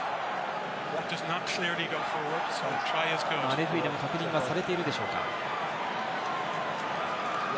レフェリーでも確認がされているでしょうか？